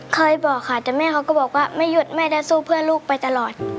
เคยบอกค่ะแต่แม่เขาก็บอกว่าไม่หยุดแม่จะสู้เพื่อลูกไปตลอด